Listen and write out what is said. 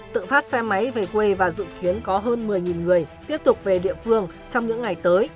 tự phát xe máy về quê và dự kiến có hơn một mươi người tiếp tục về địa phương trong những ngày tới